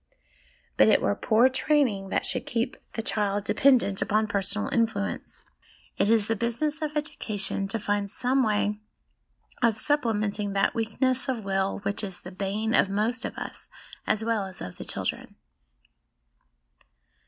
But it were poor training that should keep the child dependent upon personal influence. It is the business of education to find some way of supplementing that weakness of will which is the bane of most of us as well as of the children.